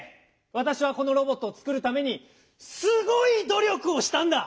わたしはこのロボットをつくるためにすごいど力をしたんだ！